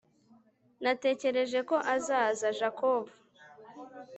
natekereje ko azaza. (jakov